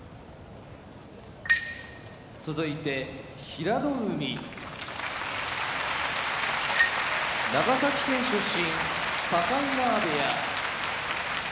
平戸海長崎県出身境川部屋